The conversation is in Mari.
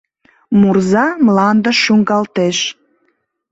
Мурза мландыш шуҥгалтеш.